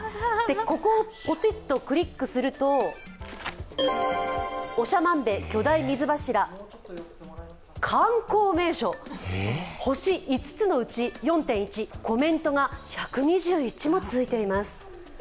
ここをポッとクリックすると、長万部巨大水柱、観光名所、星５つのうち４．１、コメントが１２１もついています。